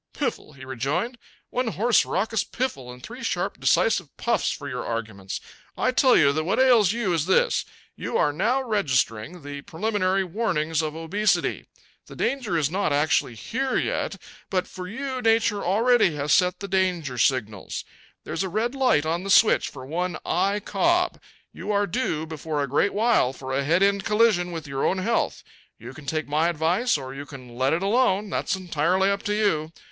"Piffle!" he rejoined. "One hoarse raucous piffle and three sharp decisive puffs for your arguments! I tell you that what ails you is this: You are now registering, the preliminary warnings of obesity. The danger is not actually here yet; but for you Nature already has set the danger signals. There's a red light on the switch for one I. Cobb. You are due before a great while for a head end collision with your own health. You can take my advice or you can let it alone. That's entirely up to you.